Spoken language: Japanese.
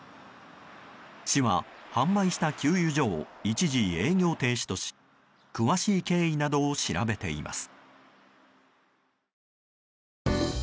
市は販売した給油所を一時、営業停止とし詳しい経緯などを調べています。